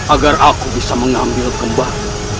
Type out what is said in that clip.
agar aku bisa mengambil kembali